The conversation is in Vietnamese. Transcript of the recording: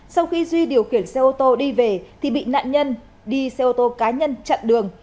sau khi duy điều khiển xe ô tô đi về thì bị nạn nhân đi xe ô tô cá nhân chặn đường